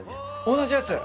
同じやつ？